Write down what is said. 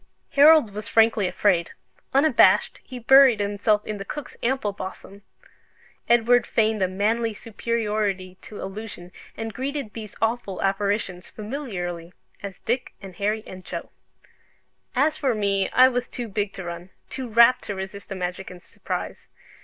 Harold was frankly afraid: unabashed, he buried himself in the cook's ample bosom. Edward feigned a manly superiority to illusion, and greeted these awful apparitions familiarly, as Dick and Harry and Joe. As for me, I was too big to run, too rapt to resist the magic and surprise.